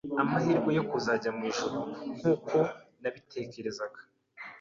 amahirwe yo kuzajya mu ijuru nkuko nabitekerezaga,